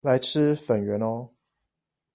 來吃粉圓喔